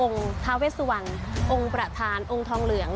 องค์ทาเวสุวรรณองค์ประธานองค์ทองเหลือง